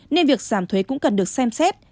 nên việc giảm thuế cũng cần được xem xét